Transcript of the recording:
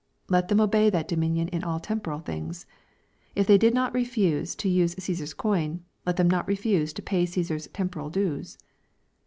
Let them obey that dominion in all temporal things. If they did not refuse to use Caesar's coin, let them not refuse to pay Caesar's temporal dues.